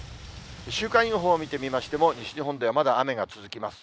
週間予報を見てみましても、西日本ではまだ雨が続きます。